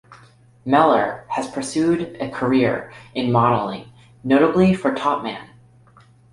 Mellor has pursued a career in modelling, notably for Topman.